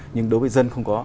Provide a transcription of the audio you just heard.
nhưng đối với dân không có